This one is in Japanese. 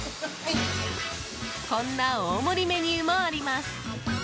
こんな大盛りメニューもあります。